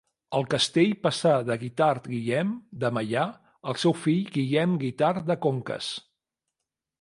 El castell passà de Guitard Guillem de Meià al seu fill Guillem Guitard de Conques.